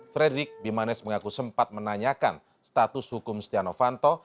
fredrik bimanes mengaku sempat menanyakan status hukum stianofanto